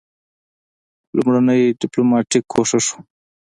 لومړنی ډیپلوماټیک کوښښ وو.